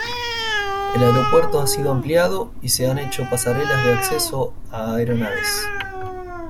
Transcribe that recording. El aeropuerto ha sido ampliado y se han hecho pasarelas de acceso a aeronaves.